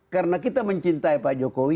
karena kita mencintai pak jokowi